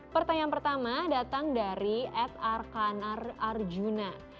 pertanyaan pertama datang dari ed arkanar arjuna